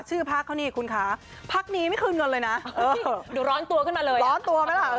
พักเขานี่คุณคะพักนี้ไม่คืนเงินเลยนะเดี๋ยวร้อนตัวขึ้นมาเลยร้อนตัวไหมล่ะ